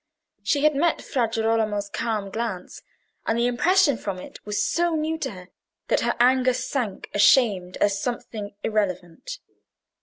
She had met Fra Girolamo's calm glance, and the impression from it was so new to her, that her anger sank ashamed as something irrelevant.